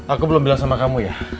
aku belum bilang sama kamu ya